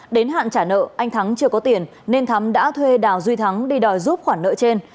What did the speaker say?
đến hạn trả nợ anh thắng chưa có tiền nên thắm đã thuê đào duy thắng đi đòi giúp khoản nợ trên